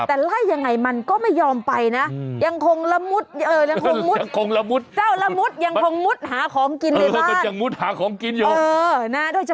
แต่ไล่อย่างไรมันก็ไม่ยอมไปนะ